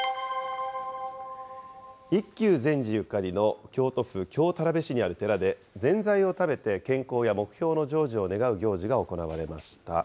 一休禅師ゆかりの京都府京田辺市にある寺で、ぜんざいを食べて健康や目標の成就を願う行事が行われました。